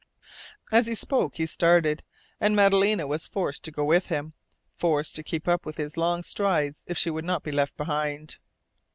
As he spoke, he started, and Madalena was forced to go with him, forced to keep up with his long strides if she would not be left behind.